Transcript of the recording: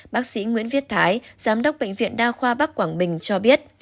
bác sĩ nguyễn viết thái giám đốc bệnh viện đa khoa bắc quảng bình cho biết